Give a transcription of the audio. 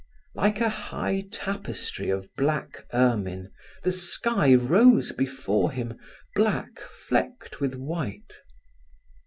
Like a high tapestry of black ermine, the sky rose before him, black flecked with white.